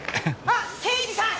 あっ刑事さん！